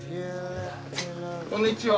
こんにちは。